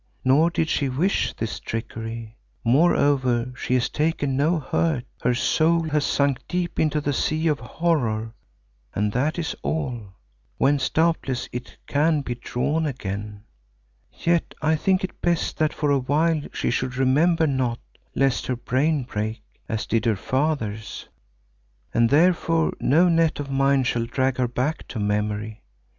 Nor did she wish this trickery. Moreover she has taken no hurt; her soul has sunk deep into a sea of horror and that is all, whence doubtless it can be drawn again. Yet I think it best that for a while she should remember naught, lest her brain break, as did her father's, and therefore no net of mine shall drag her back to memory.